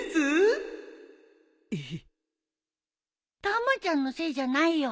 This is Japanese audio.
たまちゃんのせいじゃないよ。